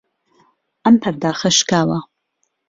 ئەم پەرداخە شکاوە.